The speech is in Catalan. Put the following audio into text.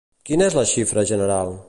Quina és la xifra general?